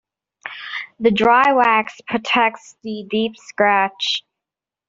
The dry wax protects the deep scratch.